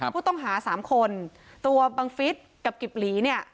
ผู้ต้องหาสามคนตัวบังฟิศกับกิบหลีเนี่ย